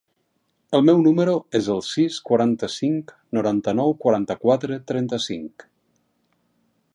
El meu número es el sis, quaranta-cinc, noranta-nou, quaranta-quatre, trenta-cinc.